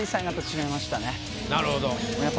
なるほど。